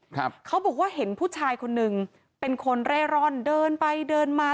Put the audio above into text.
เขาบอกว่าเห็นผู้ชายคนหนึ่งเป็นคนเร่ร่อนเดินไปเดินมา